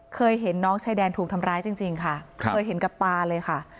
เคยเห็นน้องชายแดนถูกทำร้ายจริงค่ะเคยเห็นกับตาเลยค่ะ